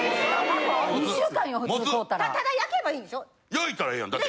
焼いたらええやんだって。